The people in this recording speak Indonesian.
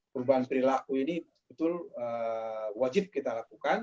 perubahan perilaku ini betul wajib kita lakukan